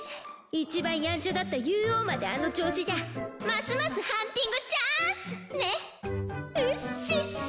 いちばんやんちゃだったユウオウまであの調子じゃますますハンティングチャンス！ね。ウッシッシ